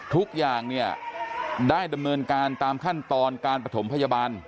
ทุกอย่างเนี่ยได้ดำเนินการตามขั้นตอนการประถมพยาบาล